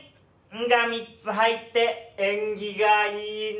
「ん」が３つ入って縁起がいいね。